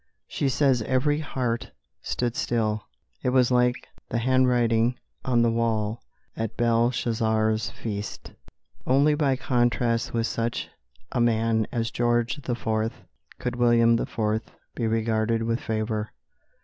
She says every heart stood still; it was like the handwriting on the wall at Belshazzar's feast. Only by contrast with such a man as George IV. could William IV. be regarded with favour.